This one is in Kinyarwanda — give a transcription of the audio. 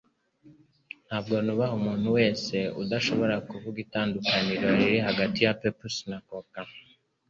Ntabwo nubaha umuntu wese udashobora kuvuga itandukaniro riri hagati ya Pepsi na Coca